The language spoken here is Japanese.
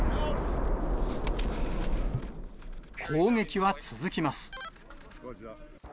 攻撃は続きます。